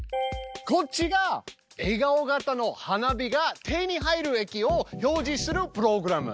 こっちが笑顔形の花火が手に入る駅を表示するプログラム。